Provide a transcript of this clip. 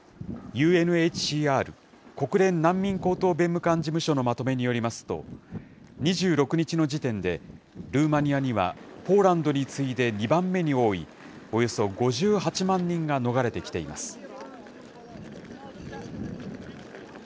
ＵＮＨＣＲ・国連難民高等弁務官事務所のまとめによりますと、２６日の時点で、ルーマニアには、ポーランドに次いで２番目に多い、およそ５８万人が逃れてきています。